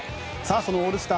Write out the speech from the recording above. そのオールスター